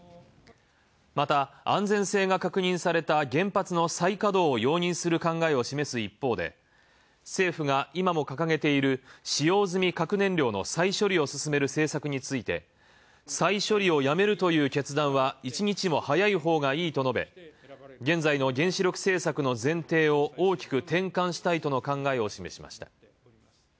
また、安全性が確認された原発の再稼働を容認する考えを示す一方で、政府が今も掲げている使用済み核燃料の再処分を進める政策について「再処理をやめるという決断は１日も早いほうがいい」と述べ、現在の原子力政策の前提を大きく転換したいとの考えを示しました。